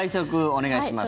お願いします。